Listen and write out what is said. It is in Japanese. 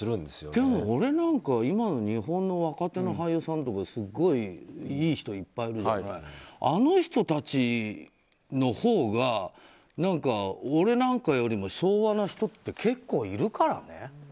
でも俺なんか今の日本の若手の俳優さんとかはすごくいい人いっぱいいるしあの人たちのほうが俺なんかよりも昭和な人って結構いるからね。